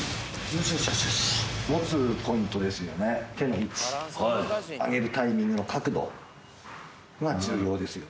持つポイントですよね、手の位置、上げるタイミングの角度が重要ですよね。